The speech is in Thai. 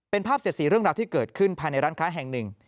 เป็นภาพเสียดสีเรื่องราวที่เกิดขึ้นภายในร้านค้าแห่งหนึ่ง